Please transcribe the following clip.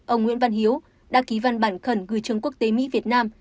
ông nguyễn văn hiếu đã ký văn bản khẩn gửi trường quốc tế mỹ việt nam